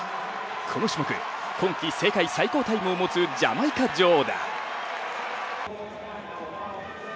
この種目、今季世界最高峰タイムを持つジャマイカ女王だ。